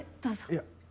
いや。